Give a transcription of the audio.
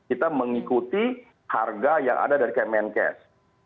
standarnya kan kita mengikuti harga yang ada dari kemenkes